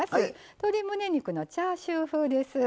鶏むね肉のチャーシュー風です。